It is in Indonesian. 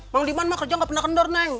mang liman mah kerja gak pernah kendor neng